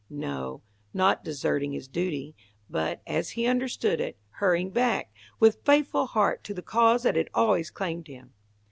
No, not deserting his duty, but, as he understood it, hurrying back, with faithful heart to the cause that had always claimed him.